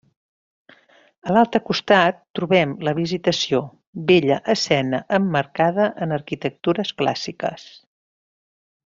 A l'altre costat trobem la Visitació, bella escena emmarcada en arquitectures clàssiques.